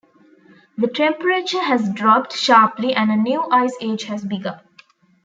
The temperature has dropped sharply and a new Ice Age has begun.